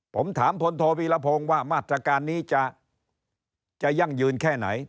ผมถามพลโทวีรพงศ์ว่ามาตรการนี้จะยั่งยืนแค่ไหน